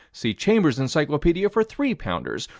See Chambers' Encyclopedia for three pounders.